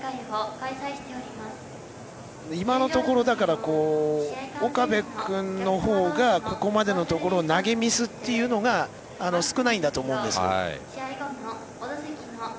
今のところ岡部君のほうがここまでのところ投げミスが少ないんだと思うんです。